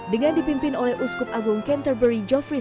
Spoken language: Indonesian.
dengan dipimpin oleh uskup agung canterbury joffrey